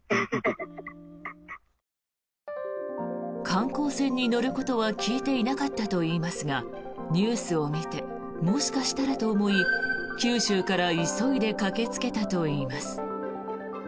観光船に乗ることは聞いていなかったといいますがニュースを見てもしかしたらと思い九州から急いで駆けつけたといいます。